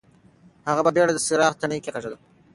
هغه په بېړه د څراغ تڼۍ کېکاږله.